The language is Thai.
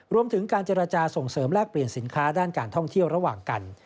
รวมถึงการเจรจาส่งเสริมแลกเปลี่ยนสินค้าด้านการท่องเที่ยวระหว่างกัน